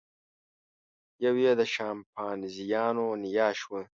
یوه یې د شامپانزیانو نیا شوه.